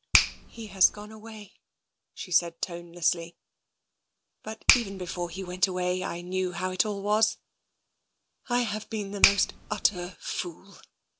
" He has gone away," she said tonelessly. " But even before he went away I knew how it all was. I have been the most utter fool.